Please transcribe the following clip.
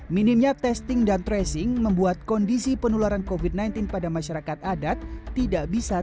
minimnya testing dan tracing membuat kondisi penularan kofit sembilan belas pada masyarakat adat tidak bisa